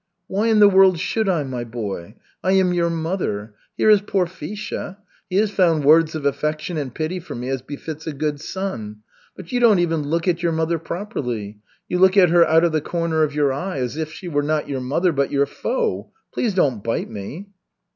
"Why in the world should I, my boy? I am your mother. Here is Porfisha. He has found words of affection and pity for me as befits a good son, but you don't even look at your mother properly. You look at her out of the corner of your eye, as if she were not your mother, but your foe. Please don't bite me."